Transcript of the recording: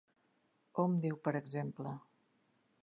Hom diu, per exemple...